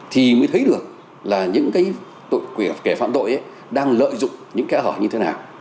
thì mới thấy được là những cái kẻ phạm tội đang lợi dụng những cái hỏi như thế nào